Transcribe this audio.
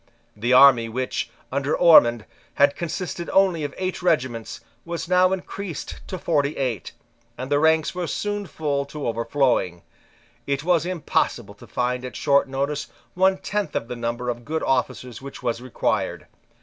The army, which, under Ormond, had consisted of only eight regiments, was now increased to forty eight: and the ranks were soon full to overflowing. It was impossible to find at short notice one tenth of the number of good officers which was required.